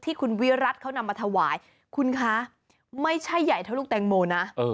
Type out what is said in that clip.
ที่คุณวิรัติเขานำมาถวายคุณคะไม่ใช่ใหญ่เท่าลูกแตงโมนะ